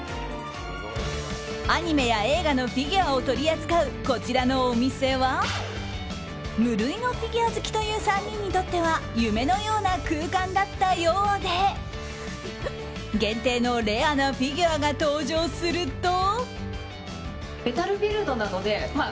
アニメや映画のフィギュアを取り扱う、こちらのお店は無類のフィギュア好きという３人にとっては夢のような空間だったようで限定のレアなフィギュアが登場すると。